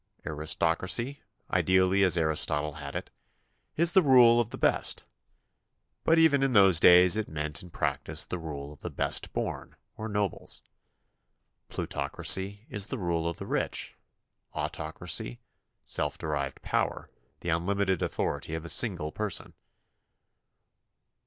Aristocracy, ideally as Aristotle had it, is the rule of the best, but even in those days it meant in practice the rule of the best born or nobles. Plutocracy is the rule of the rich; autocracy, self derived power — the unlimited authority of a single person.